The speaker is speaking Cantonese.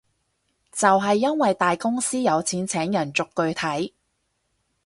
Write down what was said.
就係因為大公司有錢請人逐句睇